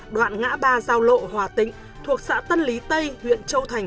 đoạn ngã ba giao lộ hòa tỉnh thuộc xã tân lý tây huyện châu thành